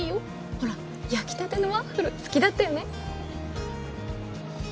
ほら焼きたてのワッフル好きだったよね？